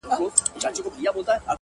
ستا شربتي سونډو ته! بې حال پروت و!